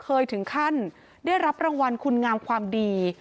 เคยถึงขั้นได้รับรางวัลคุณงามความดี